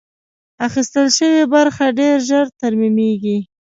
اخیستل شوې برخه ډېر ژر ترمیمېږي.